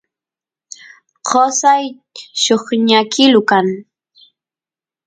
qosay lluqñakilu kan